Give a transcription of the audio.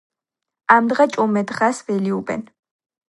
ამდღა-ჭუმე დღას ველიებუნ